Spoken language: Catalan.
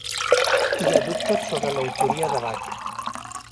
Hi ha dubtes sobre l'autoria de Bach.